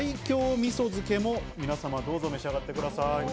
みそ漬けも、皆さんどうぞ召し上がってください。